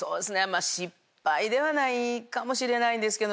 失敗ではないかもしれないんですけど。